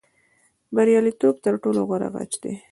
بریالیتوب تر ټولو غوره غچ دی.